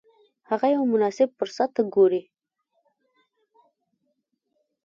هغه یو مناسب فرصت ته ګوري.